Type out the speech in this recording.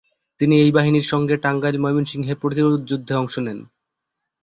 তিনি এই বাহিনীর সঙ্গে টাঙ্গাইল-ময়মনসিংহে প্রতিরোধ যুদ্ধে অংশ নেন।